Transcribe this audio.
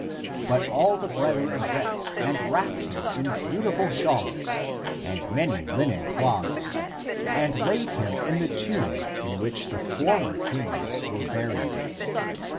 But all the brethren wept and wrapped him in beautiful shawls, and many linen cloths, and laid him in the tomb in which the former kings were buried.